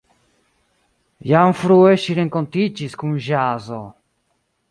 Jam frue ŝi renkontiĝis kun ĵazo.